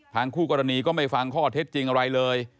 คู่กรณีก็ไม่ฟังข้อเท็จจริงอะไรเลย